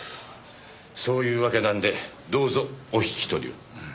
そういうわけなんでどうぞお引き取りを。